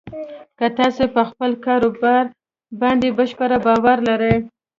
که تاسې په خپل کار باندې بشپړ باور لرئ